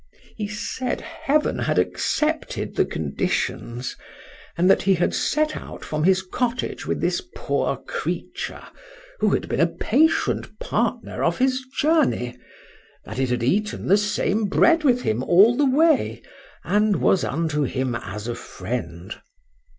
He said, heaven had accepted the conditions; and that he had set out from his cottage with this poor creature, who had been a patient partner of his journey;—that it had eaten the same bread with him all the way, and was unto him as a friend.